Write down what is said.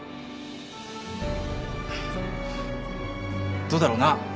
どうだろうな。